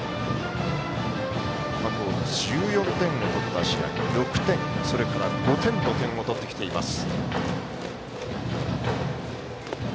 過去１４点を取った試合６点、それから５点と点を取ってきています。